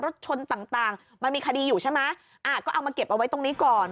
รถชนต่างต่างมันมีคดีอยู่ใช่ไหมอ่าก็เอามาเก็บเอาไว้ตรงนี้ก่อน